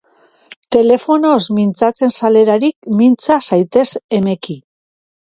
Telefonoz mintzatzen zarelarik, mintza zaitez emeki.